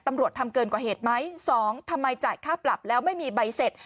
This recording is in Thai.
ตำรวจทำเกินกว่าเหตุไหมสองทำไมจ่ายค่าปรับแล้วไม่มีใบเสร็จ